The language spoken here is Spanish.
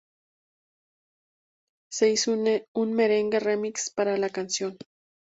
Se hizo un merengue remix para la canción.